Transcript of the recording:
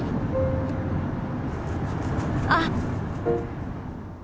あっ！